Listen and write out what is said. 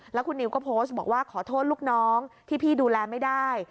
แล้วคุณนิวก็โพสต์บอกว่าขอโทษลูกน้องที่พี่ดูแลไม่ได้